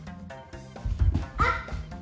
あっ！